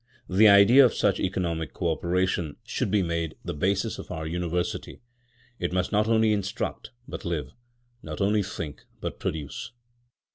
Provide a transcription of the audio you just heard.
The idea of such economic co operation should be made the basis of our University. It must not only instruct, but live; not only think, but produce.